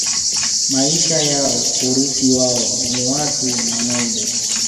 Maisha yao Urithi wao ni watu na Ngombe